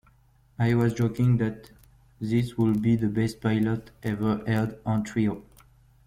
I was joking that this would be the best pilot ever aired on Trio.